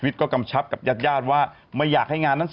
แต่จังหวะคมนะ